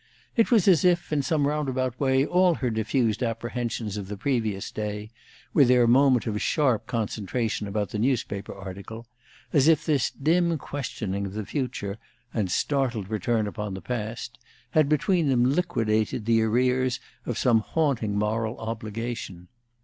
It was as if, in some roundabout way, all her diffused apprehensions of the previous day, with their moment of sharp concentration about the newspaper article, as if this dim questioning of the future, and startled return upon the past, had between them liquidated the arrears of some haunting moral obligation.